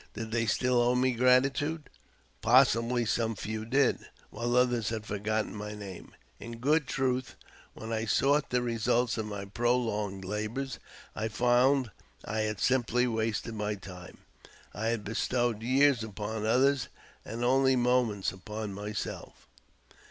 Did they still owe me gratitude? Possibly some few did, while others had forgotten my name. In good truth, when I sought the results of my prolonged labours, I found had simply wasted my time. I had bestowed years upon others, and only moments upon myself.